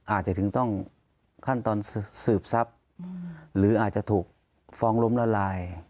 อาจจะถึงต้องขั้นตอนสืบทรัพย์หรืออาจจะถูกฟ้องล้มละลาย